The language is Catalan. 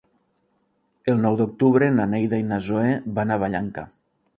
El nou d'octubre na Neida i na Zoè van a Vallanca.